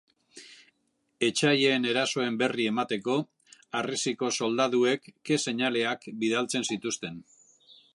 Etsaien erasoen berri emateko, harresiko soldaduek ke seinaleak bidaltzen zituzten.